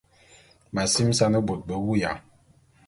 M’asimesan bot be wuya.